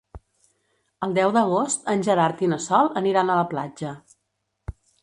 El deu d'agost en Gerard i na Sol aniran a la platja.